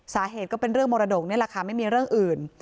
สาเหตุก็เป็นเรื่องมรดกนี่แหละค่ะไม่มีเรื่องอื่น